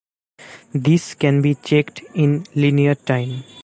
This can be checked in linear time.